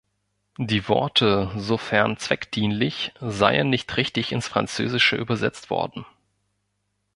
Die Worte "sofern zweckdienlich" seien nicht richtig ins Französische übersetzt worden.